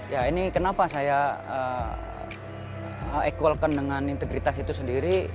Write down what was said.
ya ini kenapa saya equalkan dengan integritas itu sendiri